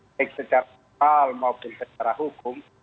baik secara moral maupun secara hukum